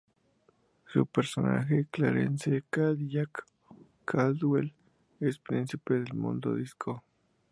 Su personaje Clarence "Cadillac" Caldwell es príncipe del mundo disco.